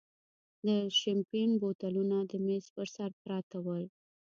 د شیمپین بوتلونه د مېز پر سر پراته ول.